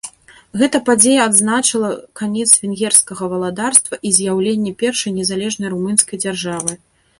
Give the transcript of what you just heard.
Гэта падзея адзначыла канец венгерскага валадарства і з'яўленне першай незалежнай румынскай дзяржавы.